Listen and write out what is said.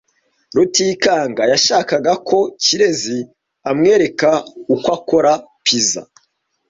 Rutikanga yashakaga ko Kirezi amwereka uko akora pizza.